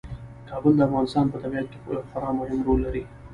کابل د افغانستان په طبیعت کې یو خورا مهم رول لري.